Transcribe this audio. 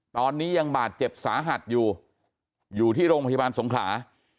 ตอนนี้ยังบาดเจ็บสาหัสอยู่อยู่ที่โรงพยาบาลสงขลา